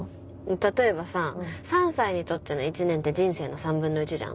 例えばさ３歳にとっての１年って人生の３分の１じゃん。